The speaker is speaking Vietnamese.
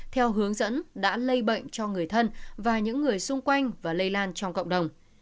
theo hướng dẫn đã lây bệnh cho người thân và những người xung quanh và lây lan trong cộng đồng